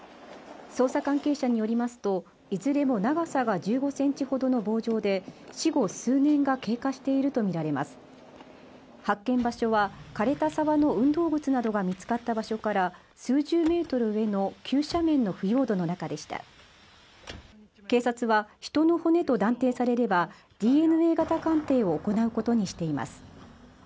捜査関係者によりますといずれも長さが１５センチほどの棒状で死後数年が経過していると見られます発見場所は枯れた沢の運動靴などが見つかった場所から数十メートル上の急斜面の腐葉土の中でした警察は人の骨と断定されればＤＮＡ型鑑定を行うことにしています